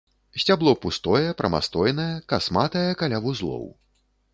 Сцябло пустое, прамастойнае, касматае каля вузлоў.